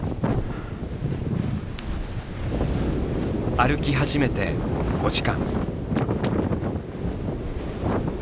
歩き始めて５時間。